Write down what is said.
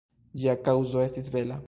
Ĝia kaŭzo estis bela.